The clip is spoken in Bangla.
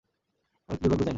আমি এতে দুর্ভাগ্য চাই না।